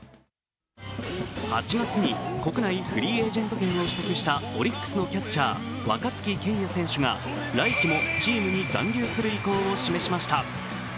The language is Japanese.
８月に国内フリーエージェント権を取得したオリックスのキャッチャー、若月健矢選手が来季もチームに残留する意向を示しました。